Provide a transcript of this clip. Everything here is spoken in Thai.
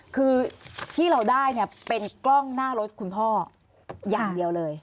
คือที่เราได้เนี่ยเป็นกล้องหน้ารถคุณพ่ออย่างเดียวเลย